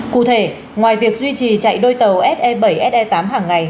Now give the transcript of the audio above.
cụ thể ngoài việc duy trì chạy đôi tàu se bảy se tám hàng ngày